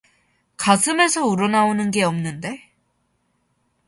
가슴에서 우러나오는 게 없는데?